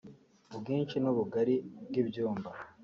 ubwinshi n’ubugari bw’ibyumba